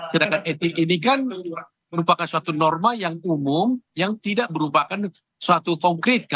sedangkan etik ini kan merupakan suatu norma yang umum yang tidak merupakan suatu konkret